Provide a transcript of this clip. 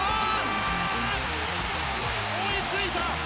追いついた！